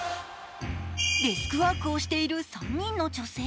デスクワークをしている３人の女性。